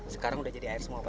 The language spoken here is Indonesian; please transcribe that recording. sekarang sudah jadi air semua ya